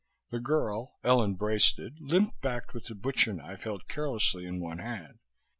The girl, Ellen Braisted, limped back with the butcher knife held carelessly in one hand.